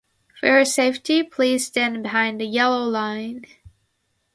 For your safety, please stand behind the yellow line.